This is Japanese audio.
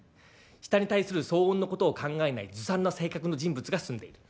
下に対する騒音のことを考えないずさんな性格の人物が住んでいる。